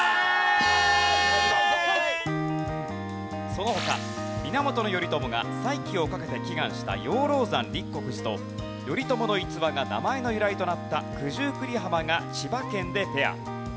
その他源頼朝が再起をかけて祈願した養老山立國寺と頼朝の逸話が名前の由来となった九十九里浜が千葉県でペア。